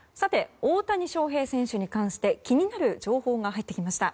大谷翔平選手に関して気になる情報が入ってきました。